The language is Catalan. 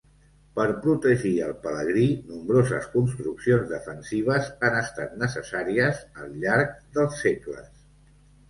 Per protegir al pelegrí, nombroses construccions defensives han estat necessàries al llarg dels segles.